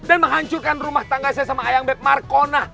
dan menghancurkan rumah tangga saya sama ayam beb markona